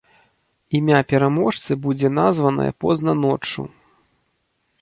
Імя пераможцы будзе названае позна ноччу.